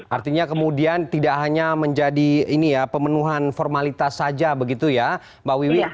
artinya kemudian tidak hanya menjadi ini ya pemenuhan formalitas saja begitu ya mbak wiwi